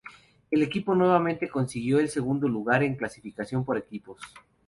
El equipo nuevamente consiguió el segundo lugar en el clasificación por equipos.